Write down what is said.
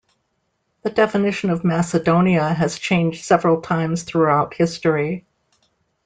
The definition of Macedonia has changed several times throughout history.